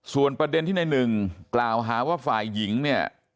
ส่วนประเด็นที่ในหนึ่งกล่าวหาว่าฝ่ายหญิงเนี่ย